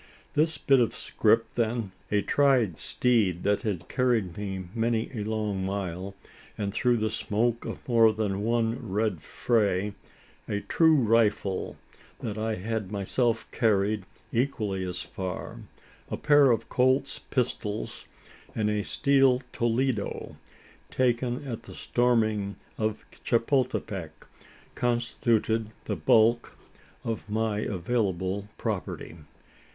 This bit of scrip then a tried steed that had carried me many a long mile, and through the smoke of more than one red fray a true rifle, that I had myself carried equally as far a pair of Colt's pistols and a steel "Toledo," taken at the storming of Chapultepec constituted the bulk of my available property.